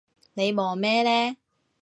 你望咩呢？